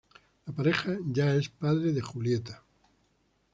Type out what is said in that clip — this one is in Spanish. La pareja ya es padre de Julieta.